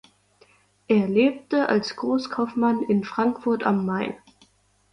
Er lebte als Großkaufmann in Frankfurt am Main.